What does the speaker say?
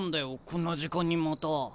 こんな時間にまた。